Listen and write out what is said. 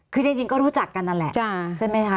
คือจริงก็รู้จักกันนั่นแหละใช่ไหมคะ